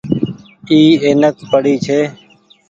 اي اينڪ پڙي ڇي۔